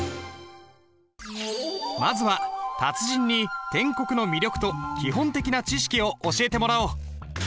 まずは達人に篆刻の魅力と基本的な知識を教えてもらおう。